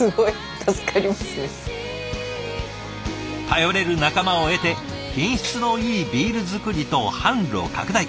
頼れる仲間を得て品質のいいビール造りと販路拡大。